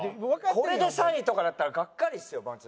これで３位とかだったらがっかりですよマジ。